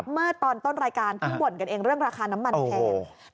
เมื่อตอนต้นรายการเพิ่งบ่นกันเองเรื่องราคาน้ำมันแพง